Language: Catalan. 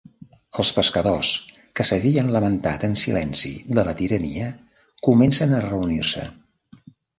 Els pescadors, que s'havien lamentat en silenci de la tirania, comencen a reunir-se.